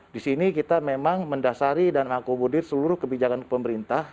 disini kita memang mendasari dan mengakomodir seluruh kebijakan pemerintah